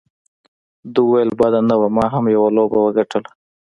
ده وویل: بده نه وه، ما هم یوه لوبه وګټله.